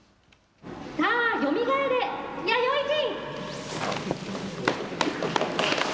さあ、よみがえれ、弥生人。